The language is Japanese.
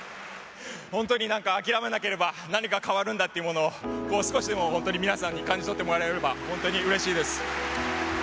本当に諦めなければ何か変わるんだっていうのを少しでも本当に皆さんに感じ取ってもらえれば本当にうれしいです。